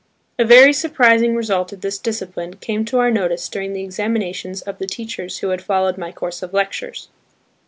A very surprising result of this discipline came to our notice during the examinations of the teachers who had followed my course of lectures.